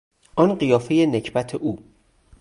آن قیافهی نکبت او!